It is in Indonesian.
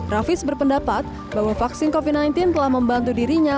rafis berpendapat bahwa vaksin covid sembilan belas telah membantu dirinya